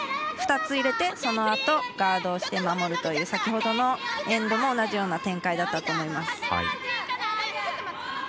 ２つ入れてそのあとガードをして守るという先ほどのエンドも同じような展開だったと思います。